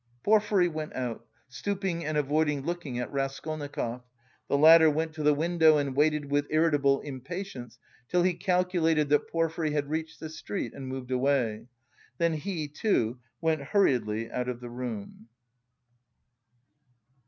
Porfiry went out, stooping and avoiding looking at Raskolnikov. The latter went to the window and waited with irritable impatience till he calculated that Porfiry had reached the street and moved away. Then he too went hurriedly out of the room.